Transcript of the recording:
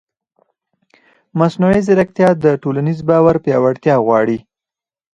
مصنوعي ځیرکتیا د ټولنیز باور پیاوړتیا غواړي.